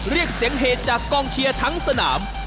เรียกเสียงเหตุจากกองเชียร์ทั้งสนาม